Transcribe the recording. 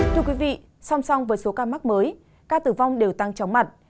thưa quý vị song song với số ca mắc mới ca tử vong đều tăng chóng mặt